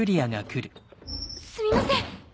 すみません！